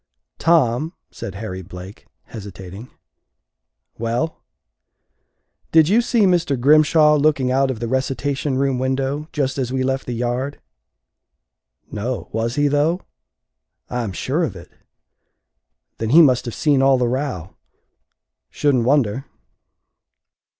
"Tom," said Harry Blake, hesitating. "Well?" "Did you see Mr. Grimshaw looking out of the recitation room window just as we left the yard?" "No was he, though?" "I am sure of it." "Then he must have seen all the row." "Shouldn't wonder."